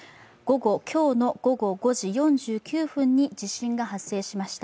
今日の午後５時４９分に地震が発生しました。